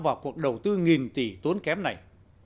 một cuộc đầu tư nghìn tỷ tốn kém này